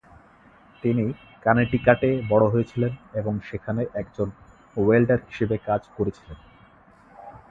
তিনি কানেটিকাটে বড় হয়েছিলেন এবং সেখানে একজন ওয়েল্ডার হিসেবে কাজ করেছিলেন।